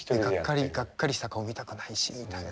がっかりした顔見たくないしみたいな。